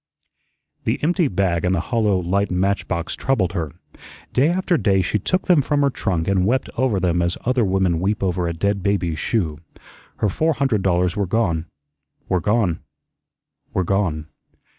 The empty bag and the hollow, light match box troubled her. Day after day she took them from her trunk and wept over them as other women weep over a dead baby's shoe. Her four hundred dollars were gone, were gone, were gone.